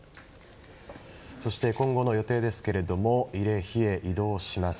そして今後の予定ですが慰霊碑へ移動します。